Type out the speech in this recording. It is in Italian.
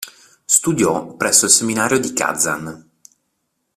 Studiò presso il seminario di Kazan'.